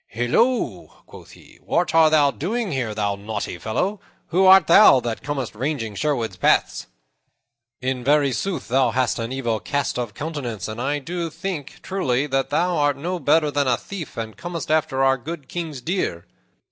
"Hilloa," quoth he, "what art thou doing here, thou naughty fellow? Who art thou that comest ranging Sherwood's paths? In very sooth thou hast an evil cast of countenance, and I do think, truly, that thou art no better than a thief, and comest after our good King's deer."